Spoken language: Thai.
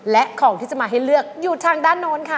และของที่จะมาให้เลือกอยู่ทางด้านโน้นค่ะ